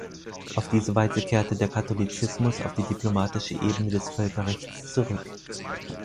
Auf diese Weise kehrte der Katholizismus auf die diplomatische Ebene des Völkerrechts zurück.